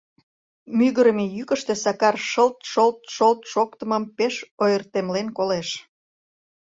Мӱгырымӧ йӱкыштӧ Сакар шылт-шолт-шолт шоктымым пеш ойыртемлен колеш.